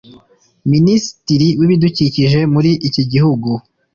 Minisitiri w’ibidukikije muri iki gihugu